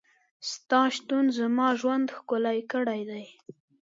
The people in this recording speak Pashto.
ستا شتون زما ژوند ښکلی کړی دی.